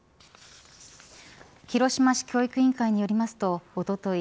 広島市教育委員会によりますとおととい